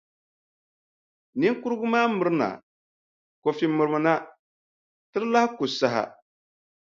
Niŋkurugu maa mirina. Kofi mirimina, ti di lahi ku saha.